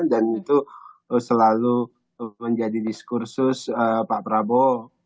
dan itu selalu menjadi diskursus pak prabowo